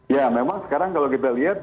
ya memang sekarang kalau kita lihat